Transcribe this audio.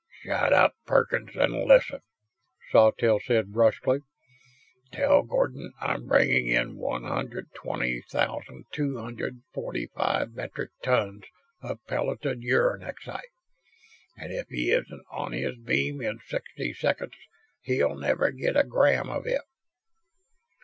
"Shut up, Perkins, and listen," Sawtelle said, bruskly. "Tell Gordon I'm bringing in one hundred twenty thousand two hundred forty five metric tons of pelleted uranexite. And if he isn't on this beam in sixty seconds he'll never get a gram of it."